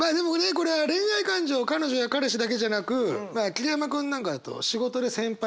これは恋愛感情彼女や彼氏だけじゃなくまあ桐山君なんかだと仕事で先輩後輩メンバー